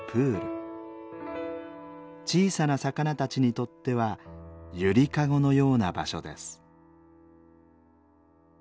小さな魚たちにとってはゆりかごのような場所です。